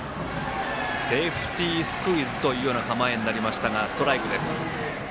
セーフティースクイズのような構えになりましたがストライクです。